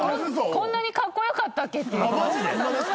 こんなにかっこよかったっけって思いました。